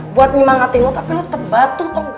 buat nyemangatin lu tapi lu tetep batu tau gak